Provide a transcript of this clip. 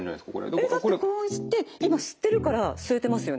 えっだってこうして今吸ってるから吸えてますよね。